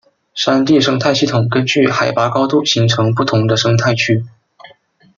山地生态系统根据海拔高度形成不同的生态区。